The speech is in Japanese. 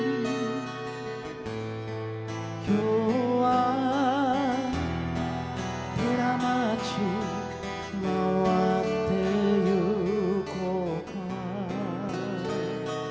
「今日は寺町廻ってゆこうか」